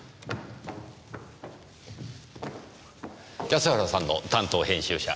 安原さんの担当編集者。